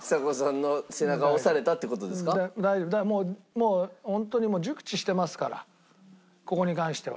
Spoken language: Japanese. もうホントに熟知してますからここに関しては。